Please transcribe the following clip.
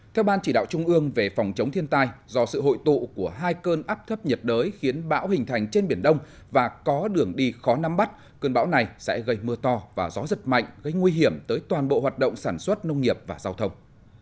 theo ban chỉ đạo trung ương về phòng chống thiên tai do sự hội tụ của hai cơn áp thấp nhiệt đới khiến bão hình thành trên biển đông và có đường đi khó nắm bắt cơn bão này sẽ gây mưa to và gió giật mạnh gây nguy hiểm tới toàn bộ hoạt động sản xuất nông nghiệp và giao thông